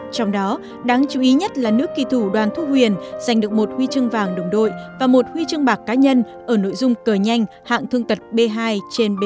trong đó đáng chú ý nhất là nước kỳ thủ đoàn thu huyền giành được một huy chương vàng đồng đội và một huy chương bạc cá nhân ở nội dung cờ nhanh hạng thương tật b hai trên b hai